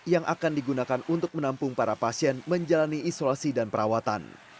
yang akan digunakan untuk menampung para pasien menjalani isolasi dan perawatan